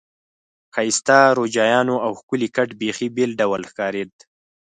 ښایسته روجایانو او ښکلي کټ بیخي بېل ډول ښکارېد.